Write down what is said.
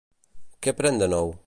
Què pren de nou?